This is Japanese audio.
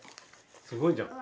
すごいじゃん。